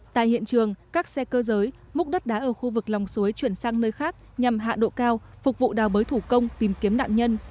tại hiện trường các xe cơ giới múc đất đá ở khu vực lòng suối chuyển sang nơi khác nhằm hạ độ cao phục vụ đào bới thủ công tìm kiếm nạn nhân